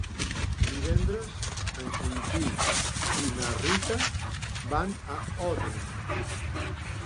Divendres en Quintí i na Rita van a Òdena.